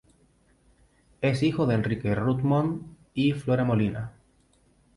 Es hijo de Enrique Reutemann y Flora Molina.